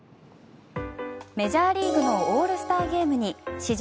メジャーリーグのオールスターゲームに史上